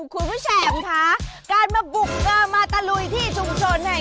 คุณผู้แช่งค่ะการมาบุกมาตะลุยที่ชุมชน